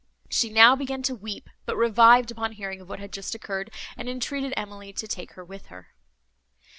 She now began to weep, but revived upon hearing of what had just occurred, and entreated Emily to take her with her.